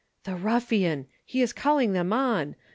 "The ruffian! He is calling them on!